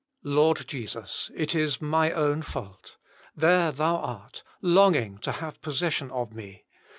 *< Lord Jesus, it is my own fault. There Thou art, longing to have possession of me.